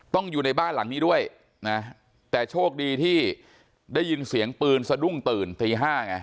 อยู่ในบ้านหลังนี้ด้วยนะแต่โชคดีที่ได้ยินเสียงปืนสะดุ้งตื่นตี๕ไง